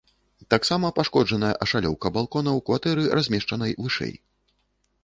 Таксама пашкоджаная ашалёўка балкона ў кватэры, размешчанай вышэй.